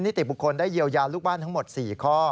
นิติบุคคลได้เยียวยาลูกบ้านทั้งหมด๔ข้อ